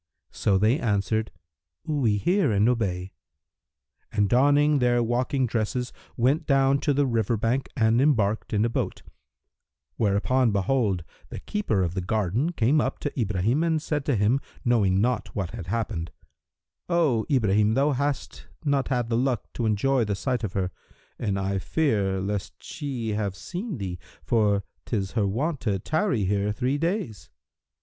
"[FN#330] So they answered, "We hear and obey," and donning their walking dresses went down to the river bank and embarked in a boat; whereupon behold, the keeper of the garden came up to Ibrahim and said to him, knowing not what had happened, "O Ibrahim, thou hast not had the luck to enjoy the sight of her, and I fear lest she have seen thee, for 'tis her wont to tarry here three days."